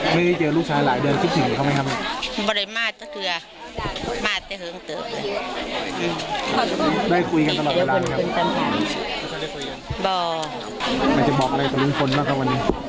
มันจะบอกอะไรกับลูกชายมันกลัวมากกว่าวันนี้